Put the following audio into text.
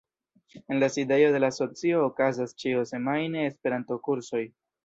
En la sidejo de la Asocio okazas ĉiusemajne Esperanto-kursoj.